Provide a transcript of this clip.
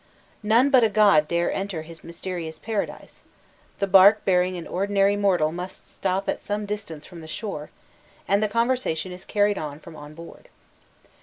None but a god dare enter his mysterious paradise: the bark bearing an ordinary mortal must stop at some distance from the shore, and the conversation is carried on from on board.